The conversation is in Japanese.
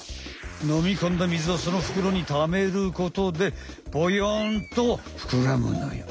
のみこんだ水をそのふくろにためることでボヨンとふくらむのよ。